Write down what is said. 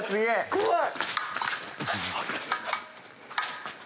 怖い！